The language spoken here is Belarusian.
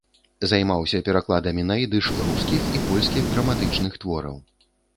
Займаўся перакладамі на ідыш рускіх і польскіх драматычных твораў.